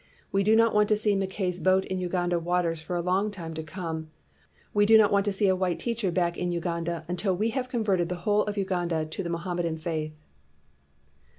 We do not want to see Mackay's boat in Uganda waters for a long time to come. "We do not want to see a white teacher back again in Uganda until we have converted the whole of Uganda to the Mo hammedan faith